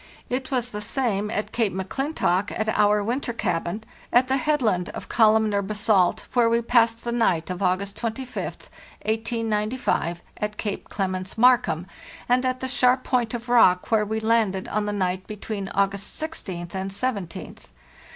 It was the same at Cape M'Clintock, at our winter cabin, at the headland of columnar basalt where we passed the night of August 25, 1895, at Cape Clements Markham, and at the sharp point of rock where we landed on the night between August 16th and 17th.